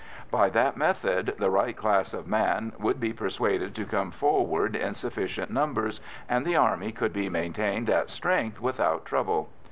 By that method the right class of man would be persuaded to come forward in sufficient numbers, and the Army could be maintained at strength without trouble.